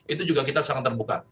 itu juga kita sangat terbuka